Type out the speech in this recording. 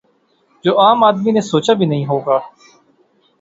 جو عام آدمی نے سوچا بھی نہیں ہو گا